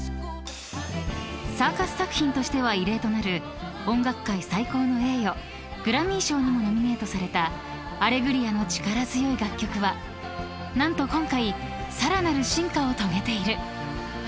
［サーカス作品としては異例となる音楽界最高の栄誉グラミー賞にもノミネートされた『アレグリア』の力強い楽曲は何と今回さらなる進化を遂げている］